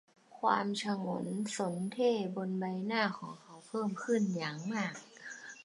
ความฉงนสนเท่ห์บนใบหน้าของเขาเพิ่มขึ้นอย่างมาก